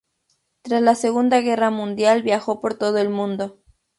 Tras la Segunda Guerra Mundial, viajó por todo el mundo.